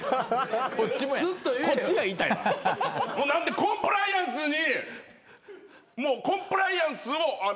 コンプライアンスにもうコンプライアンスをあの。